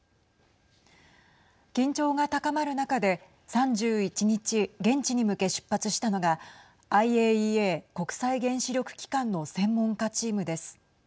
緊張が高まる中で３１日、現地に向け出発したのがＩＡＥＡ＝国際原子力機関の専門家チームです。